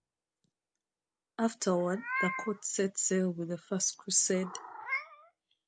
Afterward, the count set sail with the First Crusade.